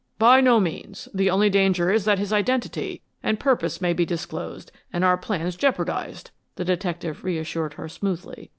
"By no means. The only danger is that his identity and purpose may be disclosed and our plans jeopardized," the detective reassured her smoothly.